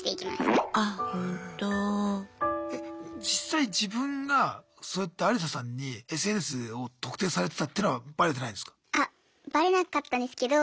実際自分がそうやってアリサさんにＳＮＳを「特定」されてたっていうのはバレてないんすか？